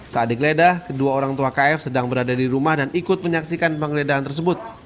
saat digeledah kedua orang tua kf sedang berada di rumah dan ikut menyaksikan penggeledahan tersebut